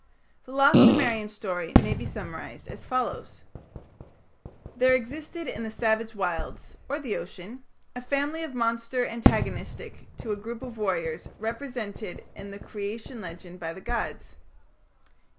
The lost Sumerian story may be summarized as follows: There existed in the savage wilds, or the ocean, a family of monsters antagonistic to a group of warriors represented in the Creation legend by the gods.